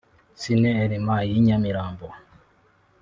Cine Elmay y’i Nyamirambo